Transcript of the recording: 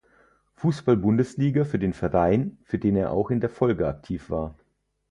Fußball-Bundesliga für den Verein, für den er auch in der Folge aktiv war.